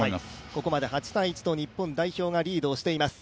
ここまで８−１と日本代表がリードしています。